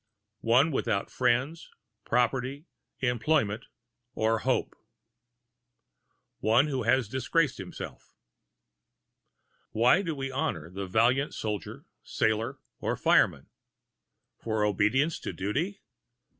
One without friends, property, employment or hope. One who has disgraced himself. Why do we honor the valiant soldier, sailor, fireman? For obedience to duty?